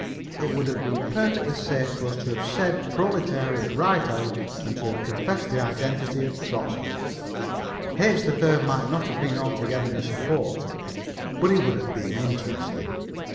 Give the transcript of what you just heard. It would have been perfectly safe for us to have said "proletariat" right out and to have confessed the identity of Trotzky. H. 3rd might not have been altogether in support, but he would have been interested.